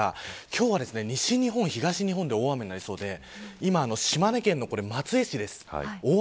いったん回復しますが今日は西日本、東日本で大雨になりそうで今、島根県の松江市です。